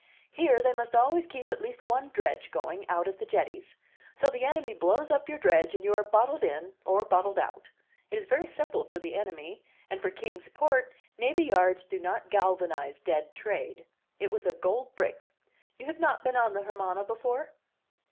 Here they must always keep at least one dredge going out at the jetties. So the enemy blows up your dredge and you are bottled in, or bottled out. It is very simple for the enemy. And, for Kings Port, navy yards do not galvanize dead trade. It was a gold brick. You have not been on the Hermana before?"